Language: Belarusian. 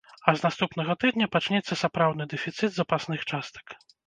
А з наступнага тыдня пачнецца сапраўдны дэфіцыт запасных частак.